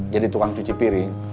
jadi tukang cuci piring